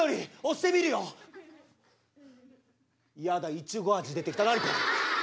イチゴ味出てきた何これ。